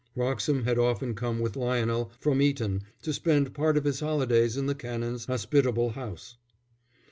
Wroxham had often come with Lionel from Eton to spend part of his holidays in the Canon's hospitable house.